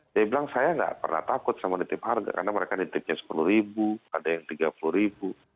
dia bilang saya nggak pernah takut sama nitip harga karena mereka nitipnya sepuluh ribu ada yang tiga puluh ribu